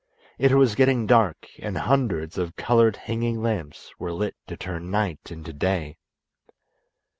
It was getting dark, and hundreds of coloured hanging lamps were lit to turn night into day.